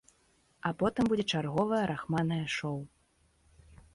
А потым будзе чарговае рахманае шоў.